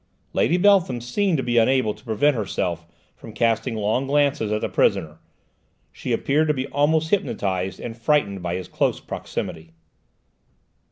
Lady Beltham seemed to be unable to prevent herself from casting long glances at the prisoner; she appeared to be almost hypnotised and frightened by his close proximity.